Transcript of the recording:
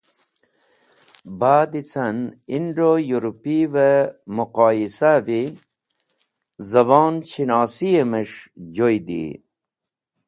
Ba’d ca’n Indo Uropoyi-e muqoyisawi zabonshinosi’mes̃h joydi.